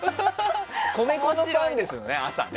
米粉のパンですよね。